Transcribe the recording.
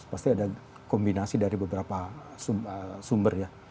pasti ada kombinasi dari beberapa sumber ya